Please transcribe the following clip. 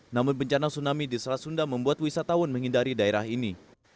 namun bencana tsunami di selat sunda membuat wisatawan menghindari daerah ini